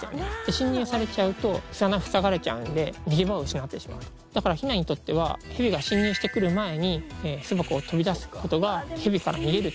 侵入されちゃうと巣穴ふさがれちゃうんで逃げ場を失ってしまうとだからヒナにとってはヘビが侵入してくる前に巣箱を飛び出すことがヘビから逃げるための